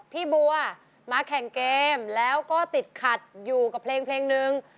พี่บัวมาแข่งเกมแล้วก็ติดขัดอยู่กับเพลงนึง